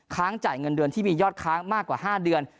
จ่ายเงินเดือนที่มียอดค้างมากกว่า๕เดือน